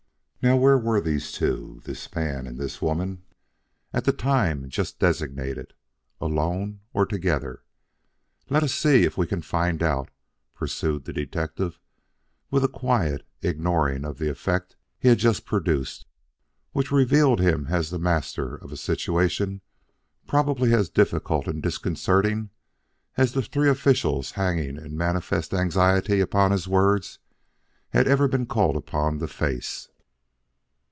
Now where were these two this man and this woman at the time just designated? Alone, or together? Let us see if we can find out," pursued the detective with a quiet ignoring of the effect he had produced, which revealed him as the master of a situation probably as difficult and disconcerting as the three officials hanging in manifest anxiety upon his words had ever been called upon to face.